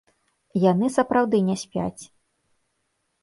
Яны сапраўды не спяць.